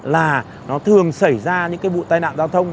là nó thường xảy ra những cái vụ tai nạn giao thông